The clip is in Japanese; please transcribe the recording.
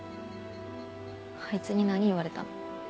あいつに何言われたの？